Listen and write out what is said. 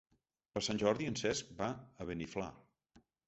Per Sant Jordi en Cesc va a Beniflà.